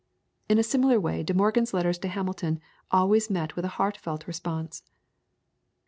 In a similar way De Morgan's letters to Hamilton always met with a heartfelt response.